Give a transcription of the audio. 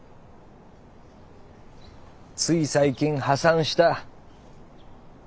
つい最近「破産」した。